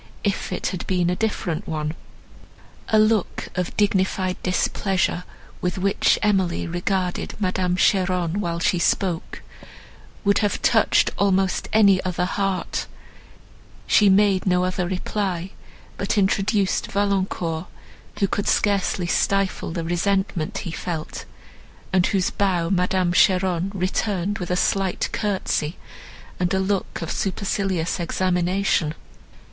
if it had been a different one." A look of dignified displeasure, with which Emily regarded Madame Cheron, while she spoke, would have touched almost any other heart; she made no other reply, but introduced Valancourt, who could scarcely stifle the resentment he felt, and whose bow Madame Cheron returned with a slight curtsy, and a look of supercilious examination.